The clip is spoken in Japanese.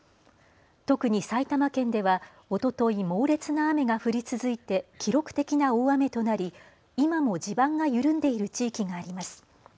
特に埼玉県ではおととい猛烈な雨が降り続いて記録的な大雨となり今も地盤が緩んでいる地域があります。